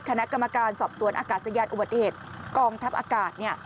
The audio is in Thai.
คณะกรรมการสอบสวนอากาศยานอุบัติเหตุกองทัพอากาศ